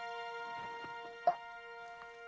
あっ。